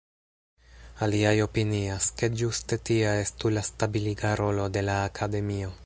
Aliaj opinias, ke ĝuste tia estu la stabiliga rolo de la Akademio.